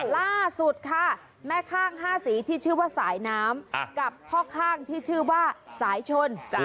ล่าสุดค่ะแม่ข้าง๕สีที่ชื่อว่าสายน้ำกับพ่อข้างที่ชื่อว่าสายชน